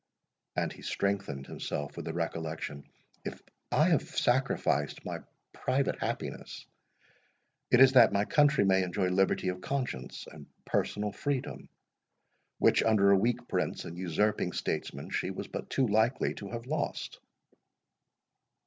And he strengthened himself with the recollection, "If I have sacrificed my private happiness, it is that my country may enjoy liberty of conscience, and personal freedom; which, under a weak prince and usurping statesman, she was but too likely to have lost."